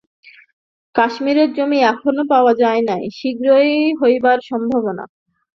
কাশ্মীরের জমি এখনও পর্যন্ত পাওয়া যায় নাই, শীঘ্রই হইবার সম্ভবনা।